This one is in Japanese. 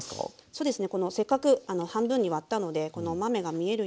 そうですね。